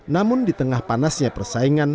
namun di tengah panasnya persaingan